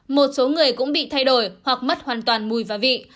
một số người cũng bị thay đổi hoặc mất hoàn toàn mùi và vị